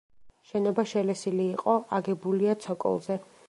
შენობა შელესილი იყო, აგებულია ცოკოლზე.